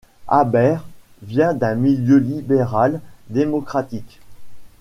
Haber vient d'un milieu liberal democratique.